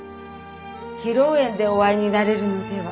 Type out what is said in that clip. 披露宴でお会いになれるのでは。